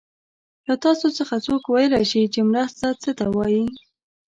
له تاسو څخه څوک ویلای شي چې مرسته څه ته وايي؟